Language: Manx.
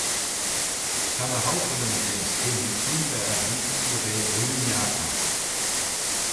Ta ny h-olteynyn jeh'n skimmee coontey adhene dy ve ooilley-niartal.